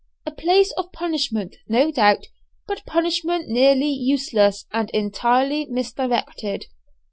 A place of punishment no doubt, but punishment nearly useless and entirely misdirected.